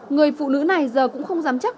người phụ nữ này giờ cũng không dám chắc